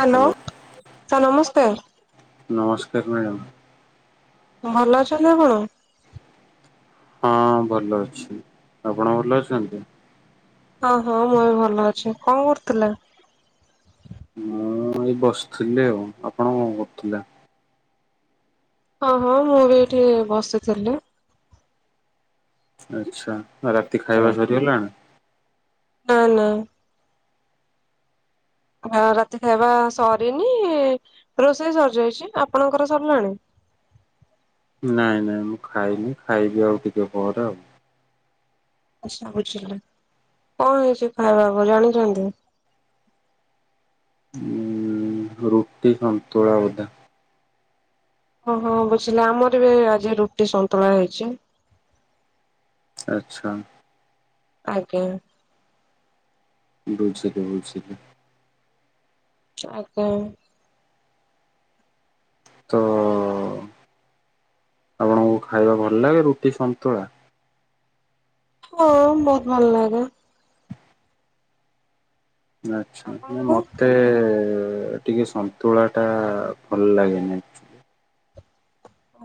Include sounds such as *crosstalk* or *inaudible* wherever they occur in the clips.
Hello, sir ନମସ୍କାର୍ ନମସ୍କାର madam. ଭଲ ଅଛନ୍ତି ନା କଣ। ହଁ ଭଲ ଅଛି, ଆପଣ ଭଲ ଅଛନ୍ତି। ହଁ ହଁ ମୁଁ ଏବେ ଭଲ ଅଛି, କଣ କରୁଥିଲେ? ମୁଁ ଏଇ ବସିଥିଲି ଆଉ, ଆପଣ କଣ କରୁଥିଲେ? ହଁ ହଁ ମୁଁ ବି ଏଇଠି ବସିଥିଲି। ଆଚ୍ଛା, ରାତି ଖାଇବା ସରିଗଲାଣି? ନା ନା। ରା ରାତି ଖାଇବା ସରିନି ରୋଷେଇ ସରିଯାଇଛି, ଆପଣଙ୍କର ସରିଲାଣି? ନାଇଁ ନାଇଁ ମୁଁ ଖାଇନି ଖାଇବି ଆଉ ଟିକେ ପରେ ଆଉ। ସେ ବୁଝିଲି କଣ ହେଇଛି ଖାଇବାକୁ ଜାଣିଛନ୍ତି? ଉଁ ରୁଟି ସନ୍ତୁଳା ବୋଧେ। ହଁ ହଁ ବୁଝିଲି, ଆମର ବି ଆଜି ରୁଟି ସନ୍ତୁଳା ହେଇଛି। ଆଚ୍ଛା। ଆଜ୍ଞା ବୁଝିଲି ବୁଝିଲି। ଆଜ୍ଞା। ତ ଆପଣଙ୍କୁ ଖାଇବା ଭଲ ଲାଗେ ରୁଟି ସନ୍ତୁଳା ହଁ ବହୁତ୍ ଭଲ ଲାଗେ। ଆଚ୍ଛା ନା ଆପଣଙ୍କୁ? ମତେ ଏ ଟିକେ ସନ୍ତୁଳା ଟା ଭଲ ଲାଗେନି।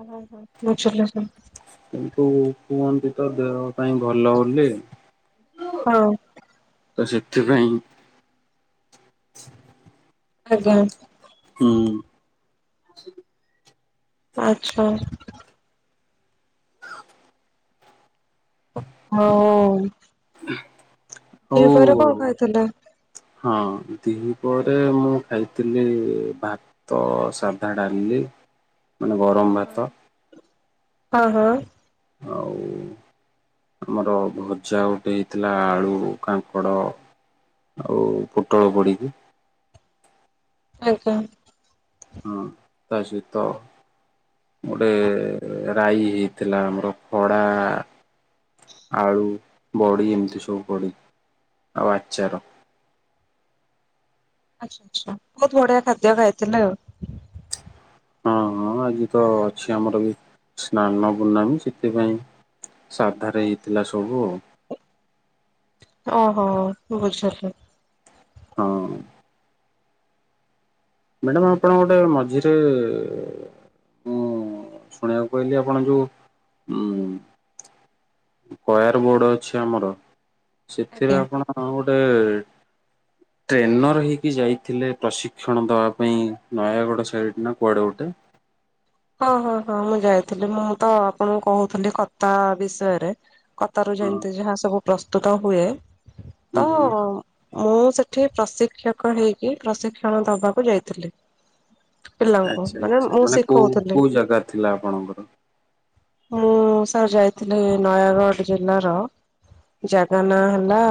ଓହ ବୁଝିଲି ବୁଝିଲି କିନ୍ତୁ କୁହନ୍ତି ତ ଦେହ ପାଇଁ ଭଲ ବୋଲି। ହଁ ତ ସେଥିପାଇଁ ଆଜ୍ଞା। ହୁଁ। ଆଛା। *unintelligible* ହ *unintelligible* ଦି ପହରେ କଣ ଖାଇଥିଲେ? ହଁ ଦି ପହରେ ମୁଁ ଖାଇଥିଲି ଭା ତ ସାଧା ଡାଲିି ମାନେ ଗରମ ଭାତ। ହଁ ହଁ। ଆଉ ଆମର ଭଜା ଗୋଟେ ହେଇଥିଲା ଆଳୁ କାଙ୍କଡ଼। ଆଉ ପୋଟଳ ପଡିକି। ଆଜ୍ଞା। ହଁ ତା ସହିତ ଗୋଟେ ରାଇ ହେଇଥିଲା ଆମର ଖଡା ଆଳୁ, ବଡି ଏମିତି ସବୁ ପଡିକି ଆଉ ଆଚାର। ଆଚ୍ଛା ଆଚ୍ଛା ବହୁତ ବଢିଆ ଖାଦ୍ୟ ଖାଇଥିଲେ ଆଉ। ହଁ ହଁ ଆଜି ତ ଅଛି ଆମର ବି ସ୍ନାନ ପୂର୍ଣ୍ଣମୀ ସେଥିପାଇଁ। ସାଧା ରେ ହେଇଥିଲା ସବୁ। ଓହୋ ବୁଝିଲି। ହଁ। ମ୍ୟାଡ଼ାମ ଆପଣ ଗୋଟେ ମଝିରେ ମୁଁ ଶୁଣିବାକୁ ପାହିଲି ଆପଣ ଯୋଉ ହମ୍। କୟାର ବୋର୍ଡ ଅଛି ଆମର ଆଜ୍ଞା। ସେଥିରେ ଆପଣ ଗୋଟେ ଟ୍ରେନର୍ ହୋଇଇକି ଯାଇଥିଲେ ପ୍ରଶିକ୍ଷଣ ଦେବା ପାଇଁ ନୟାଗଡ଼ ସାଇଡ଼୍ ନା କୁଆଡ଼େ ଗୋଟେ? ହଁ ହଁ ହଁ ମୁଁ ଯାଇଥିଲି ମୁଁ ତ ଆପଣଙ୍କୁ କହୁଥିଲି କତା ବିଷୟରେ। କତାରୁ ହଁ ଯେମିତି ଯାହା ସବୁ ପ୍ରସ୍ତୁତ ହୁଏ ହୁଁ ତ ହୁଁ ମୁଁ ସେଠି ପ୍ରଶିକ୍ଷକ ହେଇକି ପ୍ରଶିକ୍ଷଣ ଦବାକୁ ଯାଇଥିଲି। ପିଲାଙ୍କୁ ଆଚ୍ଛା ମାନେ ଆଚ୍ଛା ମୁଁ କୋଉ ଶିଖଉ କୋଉ ଜାଗା ଥିଲା ଆପଣଙ୍କର? ମୁଁ ସାର୍ ଯାଇଥିଲି ନୟାଗଡ଼ ଜିଲ୍ଲାର ଜାଗା ନା ହେଲା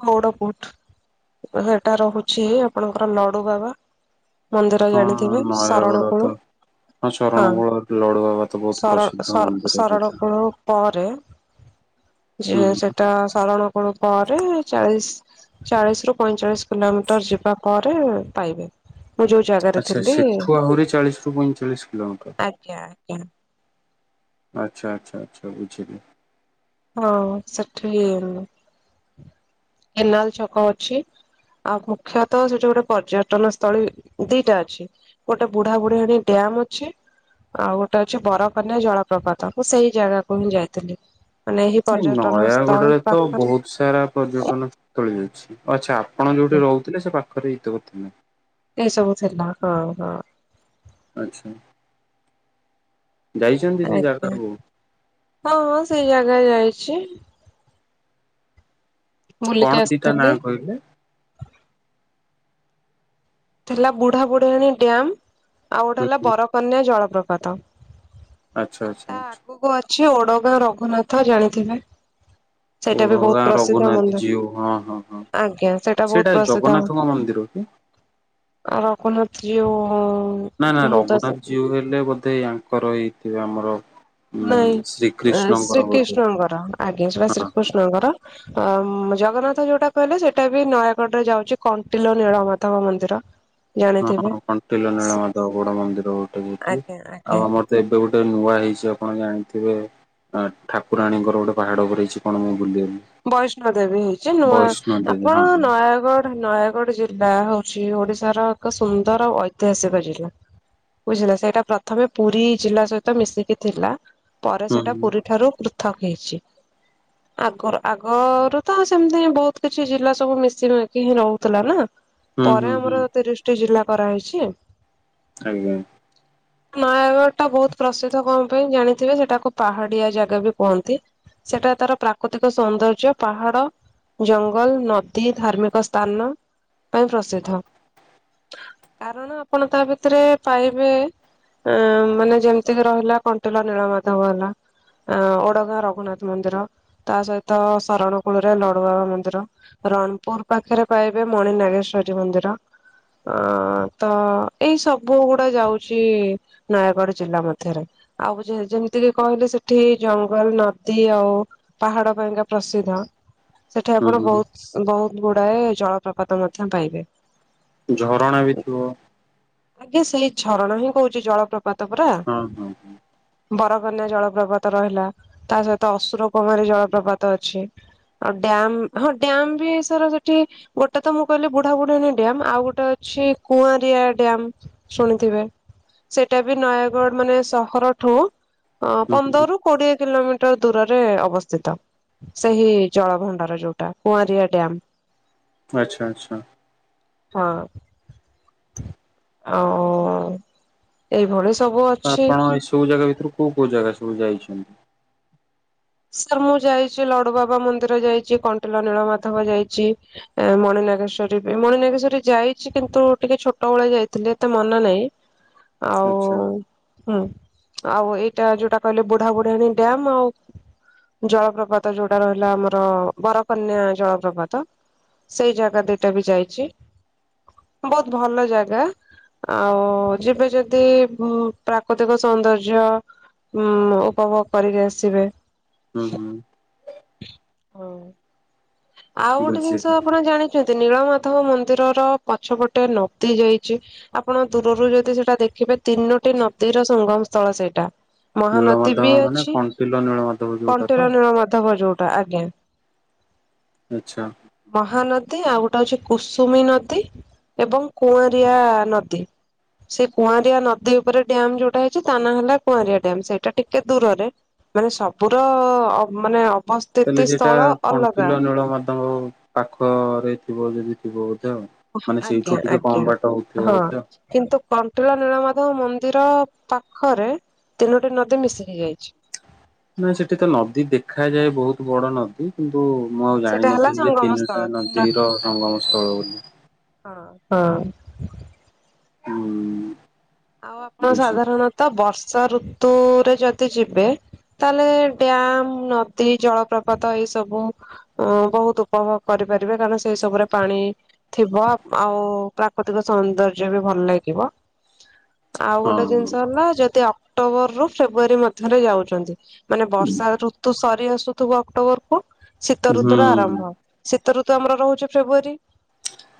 କୌଡପୁଟ ସେଟା ରହୁଛି ଆପଣଙ୍କର ଲଡୁବାବା ମନ୍ଦିର ହଁ ଜାଣିଥିବେ ଶରଣ ନୟାଗଡ ତ କୋଳୁ। ହଁ ଶରଣକୁଳ ଲଡୁ ବାବା ତ ବହୁତ ପ୍ରସିଦ୍ଧ ମନ୍ଦିର ସର-ସର-ସରଣ ସେଇଟା। କୁଳରୁ ପରେ ହୁଁ ଯେ ସେଟା ଶରଣ କୋଳୁ ପରେ ଚାଳିଶ ଚାଳିଶ ରୁ ପଇଁଚାଳିଶ କିଲୋମିଟର ଯିବା ପରେ ପାଇବେ। ମୁଁ ଯଉ ଜାଗା ଆଚ୍ଛା ସେଠୁ ଆହୁରି ଚାଳିଶ ରରୁ ପଇଁଚାଳିଶ କିଲୋମିଟର। ଆଜ୍ଞା ଆଜ୍ଞା। ଆଚ୍ଛା ଆଚ୍ଛା ଆଛା ବୁଝିଲି। ହଁ ସେଠି କେନାଲ ଛକ ଅଛି। ଆଉ ମୁଖ୍ୟତଃ ସେଠି ଗୋଟେ ପର୍ଯ୍ୟଟନ ସ୍ଥଳୀ ଦିଟା ଅଛି। ଗୋଟେ ବୁଢା ବୁଢିଆଣି ଡ୍ୟାମ୍ ଅଛି। ଆଉ ଗୋଟେ ଅଛି ବରକନ୍ୟା ଜଳପ୍ରପାତ ମୁଁ ସେଇ ଜାଗାକୁ ହିଁ ଯାଇଥିଲି। ମାନେ ଏହି ଏ ପର୍ଯ୍ୟଟନ ସ୍ଥଳୀ ନୟାଗଡରେ ତ ପାଖରେ ବହୁତ ସାରା ପର୍ଯ୍ୟଟନ ସ୍ଥଳୀ ଅଛି ଆଚ୍ଛା ଆପଣ ଆଜ୍ଞା ଯୋଉଠି ରହୁଥିଲେ ସେ ପାଖରେ ହେଇଥିବ ତାହେଲେ। ଏ ସବୁ ଥିଲା ହଁ ହଁ ଆଛା ଆଜ୍ଞା ହଁ ହଁ ସେଇ ଜାଗା ଯାଇଛି ବୁଲିକି କଣ ଗିତା ନାଁ ଆସିଥିଲି। କହିଲେ ଲା ବୁଢା ବୁଢାଣୀ ଡ୍ୟାମ ଆଉ ଗୋଟେ ହୁଁ ହେଲା ହୁଁ ବରକନ୍ୟା ଜଳପ୍ରପାତ ଆଚ୍ଛା ତା ଆଚ୍ଛାା ଆଗକୁ ଅଛି ଓଡଗାଁ ରଘୁନାଥ ଜାଣିଥିବେ ସେଇଟା ବି ବହୁତ ଓଳଗାଁ ପ୍ରସିଦ୍ଧ ରଘୁନାଥ ମନ୍ଦିର। ଜଉ ହଁ ହଁ ହଁ ଆଜ୍ଞା ବହୁତ ସେଇଟା ପ୍ରସିଦ୍ଧ ଜଗନ୍ନାଥଙ୍କ ମନ୍ଦିର କି ଆ କ ହାତ ନା ନା ରଘୁନାଥ ଜୀଉ ହେଲେ ବୋଧେ ଙ୍କର ହେଇଥିବ ଆମର ନାଇଁ ଶ୍ରୀକୃଷ୍ଣଙ୍କର ବୋଧେ ଶ୍ରୀକୃଷ୍ଣଙ୍କର ଆଜ୍ଞା ସେ ହଁ ଶ୍ରୀକୃଷ୍ଣଙ୍କର ଅ ଜଗନ୍ନାଥ ଯୋଉଟା କହିଲେ ସେଇଟା ବି ନୟାଗଡ଼ ରେ ଯାଉଛି କଣ୍ଟିଲ ନୀଳମାଧବ ମନ୍ଦିର ଜାଣିଥିବେ ହଁ କଣ୍ଟିଲ ନୀଳମାଧବ ଗୋଡ ମନ୍ଦିର ଗୋଟେ ଯଠି ଆଜ୍ଞା ଆଜ୍ଞା ଆଉ ଆମର ତ ଏବେ ଗୋଟେ ନୂଆ ହେଇଛି ଆପଣ ଜାଣିଥିବେ ଆ ଠାକୁରାଣୀଙ୍କର ଗୋଟେ ପାହାଡ଼ ଉପରେଇଛି କଣ ମୁଁ ବୁଲିବି ବୈଷ୍ଣୋ ଦେବୀ ହେଇଛି ନୂଆ ଦେବୀ ହଁ ଆପଣ ହଁ ନୟାଗଡ଼ ନୟାଗଡ ପା ହଉଛି ଓଡିଶାର ଏକ ସୁନ୍ଦର ଐତିହାସିକ ଜିଲ୍ଲା ବୁଝିଲା ସେଇଟା ପ୍ରଥମେ ପୁରୀ ଜିଲ୍ଲା ସହିତ ମିଶିକି ଥିଲା ପରେ ହୁଁ ସେଟା ପୁରୀ ଠାରୁ ପୃଥକ ହେଇଛି ଆଗର ଆଗରୁ ତ ସେମିତି ବହୁତ କିଛି ଜିଲ୍ଲା ସବୁ ମିଶିି ହିଁ ରହୁଥିଲା ନା ହୁଁ ହୁଁ ପରେ ହୁଁ ଆମର ହୁଁ ତିରିଶ ଟି ଜିଲ୍ଲା କରାହେଇଛି ଆଜ୍ଞା ନୟାଗଡ଼ ଟା ବହୁତ ପ୍ରସିଦ୍ଧ କଣ ପାଇଁ ଜାଣିଥିବେ ସେଟାକୁ ପାହାଡିଆ ଜାଗା ବି କୁହନ୍ତି ସେଟା ତାର ପ୍ରାକୃତିକ ସୌନ୍ଦର୍ଯ୍ୟ ପାହାଡ ଜଙ୍ଗଲ ନଦୀ ଧାର୍ମିକ ସ୍ଥାନ ପାଇଁ ପ୍ରସିଦ୍ଧ କାରଣ ଆପଣ ତା ଭିତରେ ପାଇବେ ଆ ମାନେ ଯେମିତିକି ରହିଲା କଣ୍ଟିଲ ନୀଳମାଧବ ହେଲା ଅ ଓଡଗାଁ ରଘୁନାଥ ମନ୍ଦିର ତା ସହିତ ଶରଣ କୂଳରେ ଲଡୁବାବା ମନ୍ଦିର ରଣପୁର ପାଖରେ ପାଇବେ ମଣି ନାଗେଶ୍ଵରୀ ମନ୍ଦିର ଅ ତ ଏଇ ସବୁ ଗୁଡା ଯାଉଛି ନୟାଗଡ଼ ଜିଲ୍ଲା ମଧ୍ୟରେ ଆଉ ଯେମିତି କି କହିଲେ ସେଠି ଜଙ୍ଗଲ ନଦୀ ଆଉ ପାହାଡ ପାଇଁକା ପ୍ରସିଦ୍ଧ ସେଠି ହୁଁ ଆପଣ ହୁଁ। ବହୁତ ବହୁତ ଗୁଡାଏ ଜଳପ୍ରପାତ ମଧ୍ୟ ପାଇବେ ଝରଣା ବି ଥିବ ଆଜ୍ଞା ସେଇ ଝରଣ ହିଁ କହୁଛି ଜଳପ୍ରପାତ ପରା ହଁ ହଁ ବରକନ୍ୟା ଜଳପ୍ରପାତ ରହିଲା ତା ସହିତ ଅସୁର କୁମାରୀ ଜଳପ୍ରପାତ ଅଛି ଆଉ ଡ୍ୟାମ ହଁ ଡ୍ୟାମ ବି ସର ସେଠି ଗୋଟେ ତ ମୁଁ କହିଲି ବୁଢାାବୁଢୀଣୀ ଡ୍ୟମ୍ ଆଉ ଗୋଟେ ଅଛି କୁଆଁରିଆ ଡ୍ୟାମ ଶୁଣିଥିବେ ସେଟା ବି ନୟାଗଡ ମାନେ ସହରଠୁ ଅ ହୁଁ ହୁଁ ପନ୍ଦରରୁ କୋଡିଏ କିଲୋମିଟର ଦୂରରେ ଅବସ୍ଥିତ ସେହି ଜଳଭଣ୍ଡର ଯୋଉଟା କୁଆଁରିଆ ଡ୍ୟାମ ଆଚ୍ଛା ଆଚ୍ଛା ହଁ ଓ ଏଇଭଳି ସବୁ ଅଛି ହ ସବୁ ଜାଗା ଭିତରୁ କୋଉ କୋଉ ଜାଗା ସବୁ ଯାଇଛନ୍ତି ସାର୍ ମୁଁ ଯାଇଛି ଲଡୁ ବାବା ମନ୍ଦିର ଯାଇଛି କଣ୍ଟିଲ ନୀଳ ମାଧବ ଯାଇଛି ମଣିନାଗେଶ୍ଵରୀ ବି ମଣିନାଗେଶ୍ଵରୀ ଯାଇଛି କିନ୍ତୁ ଟିକେ ଛୋଟ ଭେଳେଆ ଯାଇଥିଲେ ଏତେ ମନା ନହିଁ *inaudible* ଆଚ୍ଛା ଆଉ ହୁଁ ଆଉ ଏଇଟା ଯୋଉଟା କହିଲେ ବୁଢା ବୁଢାଣୀ ଡ୍ୟାମ ଆଉ ଜଳପ୍ରପାତ ଯୋଉଟା ରହିଲା ଆମର ବରକନ୍ୟା ଜଳପ୍ରପାତ ସେଇ ଜାଗା ଦିଟା ବି ଯାଇଚି ବହୁତ୍ ଭଲ ଜାଗା। ଆଉ ଯିବେ ଯଦି ଉ ପ୍ରାକୃତିକ ସୌନ୍ଦର୍ଯ୍ୟ ଉଁ ଉପଭୋଗ କରିକି ଆସିବେ। ହୁଁ ହୁଁ। ହଁ। ଆଉ ଗୋଟେ ଜିନିଷ ବୁଝିଲି ଆପଣ ଜାଣିଚନ୍ତି ନୀଳମାଧବ ମନ୍ଦିରର ପଛପଟେ ନଦି ଯାଇଚି ଆପଣ ଦୂରରୁ ଯଦି ସେଇଟା ଦେଖିବେ ତିନୋଟି ନଦୀର ସଙ୍ଗମ ସ୍ଥଳ ସେଇଟା। ମହାନଦୀ ନୀଳମାଧବ ବି ମାନେ ଅଛି କଣ୍ଟିଲ ନୀଳମାଧବ ଯୋଉଟା ତ କଣ୍ଟେରନୀର ନୀଳମଧବ ଯୋଉଟା ଆଜ୍ଞା। ଆଚ୍ଛା। ମହାନଦୀ ଆଉ ଗୋଟେ ହଉଚି କୁସୁମୀ ନଦୀ ଏବଂ କୁଆଁରିଆ ନଦୀ ସେ କୁଆଁରିଆ ନଦୀ ଉପରେ ଡ୍ୟାମ୍ ଯୋଉଟା ହେଇଚି ତା ନା ହେଲା କୁଆଁରିିଆ ଡ୍ୟାମ ସେଇଟା ଟିକେ ଦୂରରେ ମାନେ ସବୁର ଅବ ମାନେ ଅବସ୍ ତାହେଲେ ସେଇଟା କଣ୍ଟିଲ ନୀଳମାଧବ ପାଖରେ ଥିବ ଯଦି ଥିବ ବୋଧେ ଆଉ। ମାନେ ଆଜ୍ଞା ସେଇଠୁ ଟିକେ ଆଜ୍ଞା କମ୍ ବାଟା ହଉଥିବ ହଁ। ବୋଧେ କିନ୍ତୁ କଣ୍ଟିଲ ନୀଳମାଧବ ମନ୍ଦିର ପାଖରେ ତିନୋଟି ନଦୀ ମିଶିକି ଯାଇଚି। ନା ସେଠି ତ ନଦୀ ଦେଖାଯାଏ ବହୁତ୍ ବଡ଼ ନଦୀ କିନ୍ତୁ ମୁଁ ଆଉ ସେଟା ହେଲା ଜାଣିନଥିଲି ଯେ ସଙ୍ଗମ ସ୍ଥଳ ତିନିଟା ତିନୋଟି ନଦୀର ଆଜ୍ଞା ସଙ୍ଗମ ସ୍ଥଳ ଆଜ୍ଞା ବୋଲି। ହଁ ହଁ। ହୁଁ। ଆଉ ଆପଣ ବୁଝି ସାଧାରଣତ ବର୍ଷା ଋତୁରେ ଯଦି ଯିବେ ତାହେଲେ ଡ୍ୟାମ, ନଦୀ, ଜଳପ୍ରପାତ ଏଇ ସବୁ ଉ ବହୁତ୍ ଉପଭୋଗ କରିପାରିବେ କାରଣ ସେଇ ସବୁରେ ପାଣି ଥିବ ଆଉ ପ୍ରାକୃତିକ ସୌନ୍ଦର୍ଯ୍ୟବି ଭଲ ଲାଗିବ। ଆଉ ହଁ ଗୋଟେ ଜିନିଷ ହେଲା ଯଦି ଅକ୍ଟୋବର ରୁ ଫେବୃଆରୀ ମଧ୍ୟରେ ଯାଉଚନ୍ତି। ମାନେ ବର୍ଷା ଋତୁ ସରି ଆସୁଥିବ ଅକ୍ଟୋବର କୁ ଶୀତ ଋତୁ ର ହୁଁ। ଆରମ୍ଭ। ଶୀତ ଋତୁ ଆମର ରହୁଚି ଫେବୃୟାରୀ।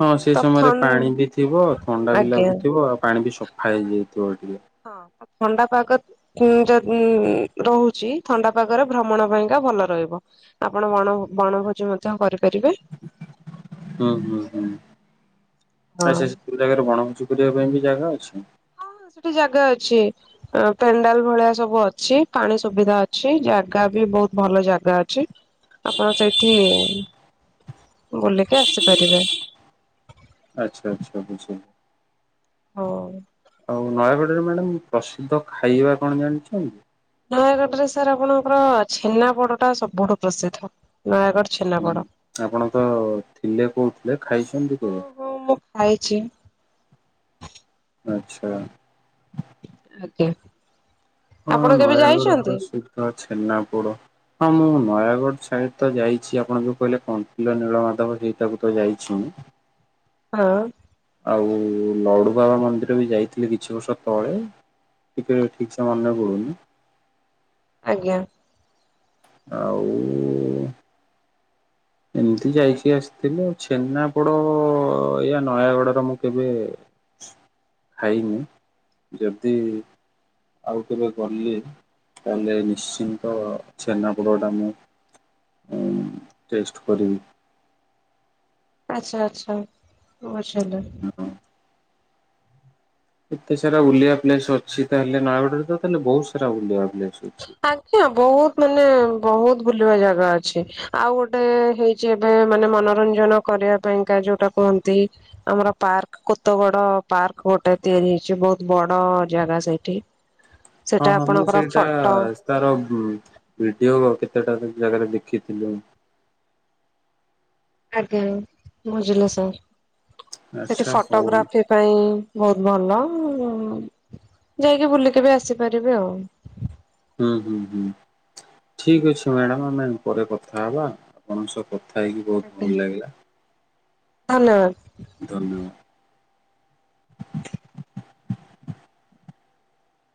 ହଁ ସେଇ ସମୟରେ ପାଣି ବି ଥିବ ଥଣ୍ଡା ବି ଆଜ୍ଞା ଲାଗୁଥିବ ଆଉ ପାଣି ବି ସ ଫାଇଜି ହେଇଯାଇଥିବ ଟିକେ ହଁ ଥଣ୍ଡା ପାଗ କୁ ଯ ଉ ରହୁଚି ଥଣ୍ଡା ପାଗରେ ଭ୍ରମଣ ପାଇଁକା ଭଲ ରହିବ। ଆପଣ ବଣ ବଣଭୋଜି ମଧ୍ୟ କରିପାରିବେ। ହୁଁ ହୁଁ ହୁଁ ହଁ ଆଚ୍ଛା ଚ୍ଛା କୋଉ ଜାଗାର ବଣଭୋଜି କରିବା ପାଇଁ ବି ଜାଗା ଅଛି? ହଁ ସେଠି ଜାଗା ଅଛି। ଅ ପେଣ୍ଡାଲ ଭଳିଆ ସବୁ ଅଛି ପାଣି ସୁବିଧା ଅଛି ଜାଗା ବି ବହୁତ୍ ଭଲ ଜାଗା ଅଛି। ଆପଣ ସେଇଠି ବୁଲିକି ଆସିପାରିବେ। ଆଚ୍ଛା ଆଚ୍ଛା ହଉ। ବୁଝିଲି ଆଉ ନୟାଗଡ଼ ରେ ମ୍ୟାଡ଼ମ୍ ପ୍ରସିଦ୍ଧ ଖାଇବା କଣ ଜାଣିଚନ୍ତି? ନୟାଗଡ଼ରେ ସାର୍ ଆପଣଙ୍କର ଛେନାପୋଡ଼ ଟା ସବୁଠୁ ପ୍ରସିଦ୍ଧ ନୟାଗଡ଼ ହୁଁ ଛେନାପୋଡ। ଆପଣ ତ ଥିଲେ କହୁଥିଲେ ଖାଇଚନ୍ତି କେବେ? ହଁ ମୁଁ ଖାଇଚି। ଆଚ୍ଛା। ଆଜ୍ଞା। ହଁ ଆପଣ କେବେ ନୟାଗଡ଼ ଯାଇଛନ୍ତି ପ୍ରସିଦ୍ଧ ଛେନାପୋଡ଼। ହଁ ମୁଁ ନୟାଗଡ଼ ସାଇଟ୍ ତ ଯାଇଛି ଆପଣ ଯୋଉ କହିଲେ କଣ୍ତିଲ ନୀଳମାଧବ ସେଇଟାକୁ ତ ଯାଇଛି ମୁଁ ହଁ। ଆଉ ଲଡୁ ବାବା ମନ୍ଦିର ବି ଯାଇଥିଲି କିଛି ବର୍ଷ ତଳେ। ଟିକେ ଠିକ୍ ସେ ମନେ ପଡୁ଼ନି। ଆଜ୍ଞା। ଆଉ ଏମିତି ଯାଇକି ଆସିଥିଲି ଛେନାପୋଡ଼ ଏଇଆ ନୟାଗଡ଼ର ମୁଁ କେବେ ଖାଇନି ଯଦି ଆଉ କେବେ ଗଲି ତାହେଲେ ନିଶ୍ଚିନ୍ତ ଛେନାପୋଡ଼ଟା ମୁଁ ଟେଷ୍ଟ କରିବି। ଆଚ୍ଛା ଆଚ୍ଛା ବୁଝିଲି। ହଁ ହଁ। ଏତେ ସାରା ବୁଲିବା ପ୍ଲେସ୍ ଅଛି ତାହେଲେ ନୟାଗଡ଼ରେ ତ ତାହେଲେ ବହୁତ୍ ସାରା ବୁଲିବା ପ୍ଲେସ ଅଛି। *unintelligible* ବହୁତ୍ ମାନେ ବହୁତ୍ ବୁଲିବା ଜାଗା ଅଛି। ଆଉ ଗୋଟେ ହେଇଛି ଏବେ ମାନେ ମନୋରଞ୍ଜନ କରିବା ପାଇଁକା ଯୋଉଟା କୁହନ୍ତି। ଆମର ପାର୍କ କୁତବଡ଼ ପାର୍କ ଗୋଟେ ତିଆରି ହେଇଛି ବହୁତ୍ ବଡ଼ ଜାଗା ସେଇଠି। ହଁ ସେଟା ହଁ ମୁଁ ଆପଣଙ୍କର ସେଇଟା ଫ ତାର ଉଁ ଭିଡ଼ିଓ କେତେଟା ଜାଗାରେ ଦେଖିଥିଲୁ। ଆଜ୍ଞା ବୁଝିଲେ ସାର୍ ସେଠି ଆଚ୍ଛା ହଉ ଫଟୋଗ୍ରାଫି ପାଇଁ ବହୁତ୍ ଭଲ ଯାଇକି ବୁଲିକି ବି ଆସିପାରିବେ ଆଉ। ହୁଁ ହୁଁ ହୁଁ ଠିକ୍ ଅଛି ମ୍ୟାଡାମ୍ ଆମେ ପରେ କଥା ହବା। ଆପଣଙ୍କ ସହ କଥା ହେଇକି ବହୁତ୍ ଭଲ ଲାଗିଲା। ଧନ୍ୟବାଦ୍। ଧନ୍ୟବାଦ୍।